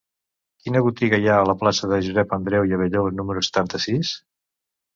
Quina botiga hi ha a la plaça de Josep Andreu i Abelló número setanta-sis?